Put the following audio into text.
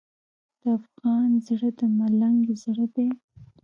د افغان زړه د ملنګ زړه دی.